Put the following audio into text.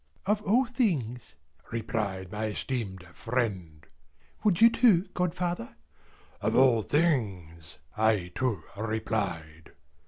"Of all things," replied my esteemed friend. "Would you, godfather?" "Of all things," I too replied.